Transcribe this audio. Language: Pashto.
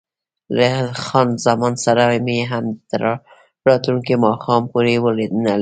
له خان زمان سره مې هم تر راتلونکي ماښام پورې ونه لیدل.